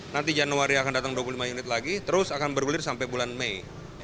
nanti januari akan datang dua puluh lima unit lagi terus akan bergulir sampai bulan mei